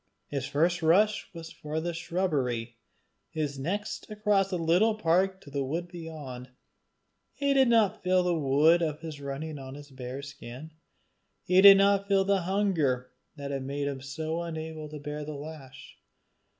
His first rush was for the shubbery, his next across the little park to the wood beyond. He did not feel the wind of his running on his bare skin. He did not feel the hunger that had made him so unable to bear the lash.